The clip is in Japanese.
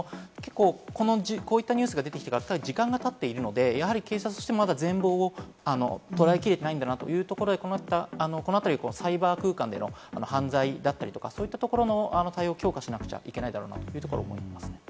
こういったニュースが出てきてから時間が経っているので警察としても全貌を捉えきれていないんだろうなということで、このあたり、サイバー空間での犯罪だったりとか、そういったところの対応を強化しなくちゃいけないんだろうなと思いますね。